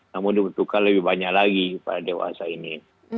namun dibutuhkan lebih banyak lagi para dewasa ini